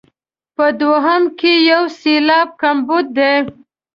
په دوهم کې یو سېلاب کمبود دی.